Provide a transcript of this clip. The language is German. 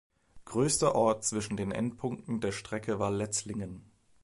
Größter Ort zwischen den Endpunkten der Strecke war Letzlingen.